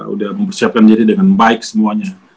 udah mempersiapkan jadi dengan baik semuanya